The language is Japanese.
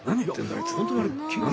あいつ。